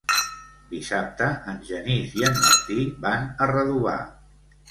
Dissabte en Genís i en Martí van a Redovà.